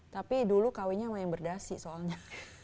tapi dulu kawinnya sama yang berdasi soalnya